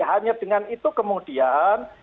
hanya dengan itu kemudian